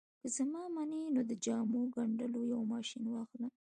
که زما منې نو د جامو ګنډلو یو ماشين واخله